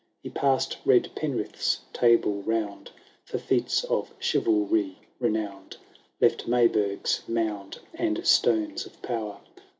He passM red Penrith^s Table Round, For feats of chivalry renownM, Left Maybuigh^s mound and stones of power.